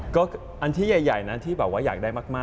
ก็อันที่ใหญ่นะที่แบบว่าอยากได้มาก